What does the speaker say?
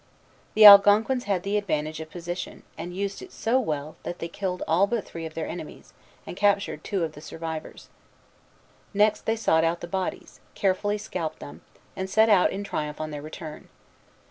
The Algonquins had the advantage of position, and used it so well, that they killed all but three of their enemies, and captured two of the survivors. Next they sought out the bodies, carefully scalped them, and set out in triumph on their return.